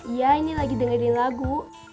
iya ini lagi dengerin lagu